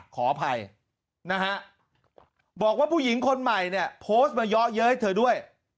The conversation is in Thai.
ขออภัยนะฮะบอกว่าผู้หญิงคนใหม่เนี่ยโพสต์มาเยอะเย้ยเธอด้วย